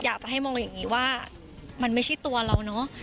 เราอยากมองว่ามันไม่ใช่ตัวเรานะ